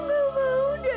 aku gak mau